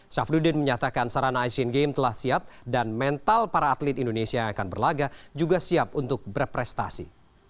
syafruddin menyatakan sarana asian games telah siap dan mental para atlet indonesia yang akan berlaga juga siap untuk berprestasi